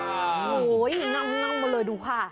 โอ้โหโอ้โหง่างมาเลยดูค่ะ